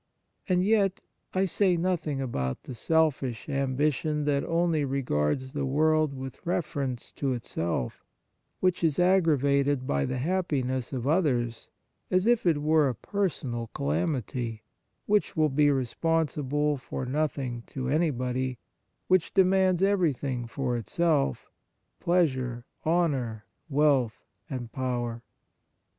And yet, I say nothing about the selfish ambition that only regards the world with reference to itself, which is aggravated by the happiness of others as if it were a personal calamity, which will be responsible for nothing to anybody, which de mands everything for itself — pleasure, honour, wealth, and power.